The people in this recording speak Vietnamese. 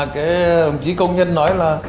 cái đồng chí công nhân nói là